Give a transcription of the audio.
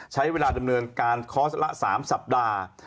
ใช้เวลาดำเนินการคอร์สละ๓สัปดาห์